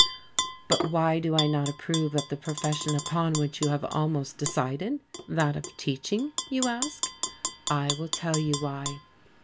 But why do I not approve of the profession upon which you have almost decided that of teaching you ask. I will tell you why.